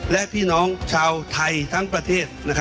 และพี่น้องชาวไทยทั้งประเทศ